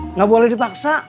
enggak boleh dipaksa